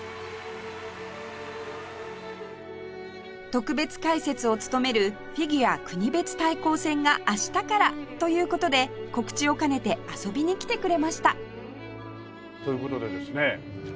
特別解説を務める「フィギュア国別対抗戦」が明日からという事で告知を兼ねて遊びに来てくれましたという事でですね。